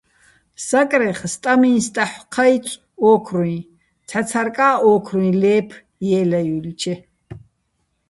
საკრეხ სტამიჼ სტაჰ̦ო̆ ჴაჲწო̆, ო́ქრუჲჼ, ცჰ̦ა ცარკა́ჼ ო́ქრუჲჼ ლე́ფე̆ ჲე́ლაჲუჲლჩე.